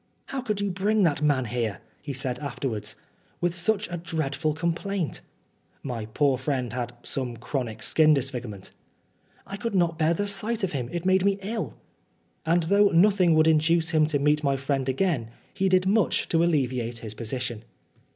" How could you bring that man here/ 1 he said afterwards, " with such a dreadful complaint?" (my poor friend had some chronic skin disfigurement). " I could not bear the sight of him. It made me ill'* And though nothing would induce him to meet my friend again, he did much to alleviate his position.